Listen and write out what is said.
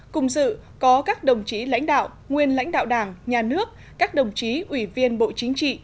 cùng dự có các đồng chí lãnh đạo nguyên lãnh đạo đảng nhà nước các đồng chí ủy viên bộ chính trị